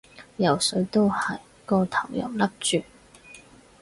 游水都係，個頭又笠住